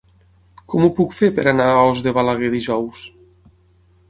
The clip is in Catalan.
Com ho puc fer per anar a Os de Balaguer dijous?